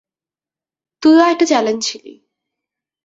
তুইও একটা চ্যালেঞ্জ ছিলি।